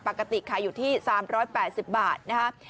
ปกติขายอยู่ที่๓๘๐บาทนะครับ